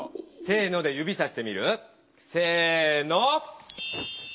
「せの」で指さしてみる？せの。